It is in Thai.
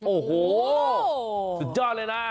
โอ้โหสุดยอดเลยนะ